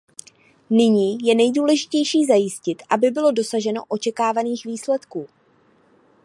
Nyní je nejdůležitější zajistit, aby bylo dosaženo očekávaných výsledků.